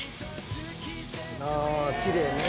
ああきれいね。